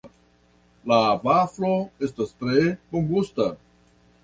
La vaflo estas tre bongusta.